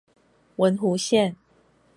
文湖線